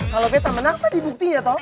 kalau betah menang tadi buktinya tau